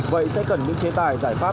vậy sẽ cần những chế tài giải pháp